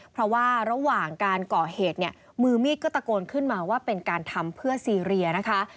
เพราะว่าระหว่างการก่อเหตุเนี่ยมือมีดก็ตะโกนขึ้นมาว่าเป็นการทำเพื่อซีเรียนะคะ